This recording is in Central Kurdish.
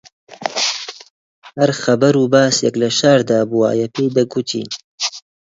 هەر خەبەر و باسێک لە شاردا بوایە پێی دەگوتین